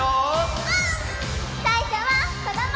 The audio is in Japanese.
さいしょはこども！